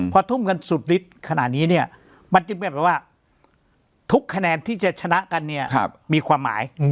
พอทุ่มกันสุดฤทธิ์ขนาดนี้เนี่ยมันจึงเป็นแบบว่าทุกคะแนนที่จะชนะกันเนี่ยมีความหมาย